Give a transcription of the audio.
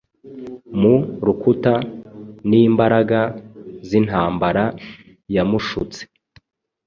Mu rukuta nimbaraga-zintambara yamushutse